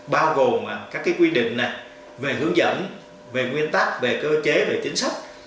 bao gồm các quy định về hướng dẫn về nguyên tắc về cơ chế về chính sách